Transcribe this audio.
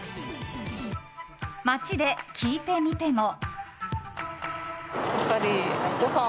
街で聞いてみても。